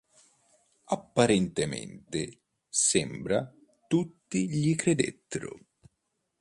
Apparentemente, sembra, tutti gli credettero.